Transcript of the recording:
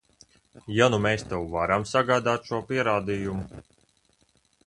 Ja nu mēs tev varam sagādāt šo pierādījumu?